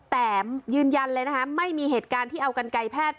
แต่ยืนยันเลยนะคะไม่มีเหตุการณ์ที่เอากันไกลแพทย์